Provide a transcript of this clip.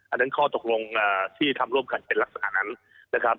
อันนั้นข้อตกลงที่ทำร่วมกันเป็นลักษณะนั้นนะครับ